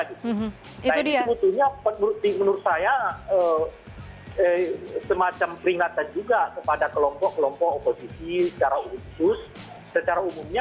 nah ini sebetulnya menurut saya semacam peringatan juga kepada kelompok kelompok oposisi secara utus secara umumnya